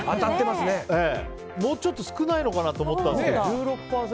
もうちょっと少ないのかなと思ったんですけど１６％。